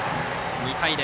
２対０。